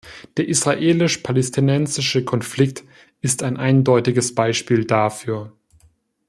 Der israelisch-palästinensische Konflikt ist ein eindeutiges Beispiel dafür.